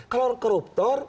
kalau orang koruptor